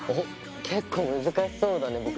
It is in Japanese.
結構難しそうだね。